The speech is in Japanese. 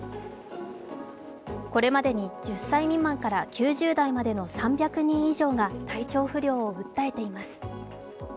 これまでに１０歳未満から９０代までの３００人以上が体調不良を訴えています。